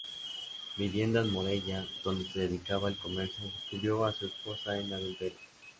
Viviendo en Morella, donde se dedicaba al comercio, descubrió a su esposa en adulterio.